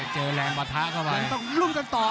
เจอแรงวัทธากลับไปยังต้องลุ่มกันต่อ